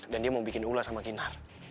dan dia mau bikin ula sama kinar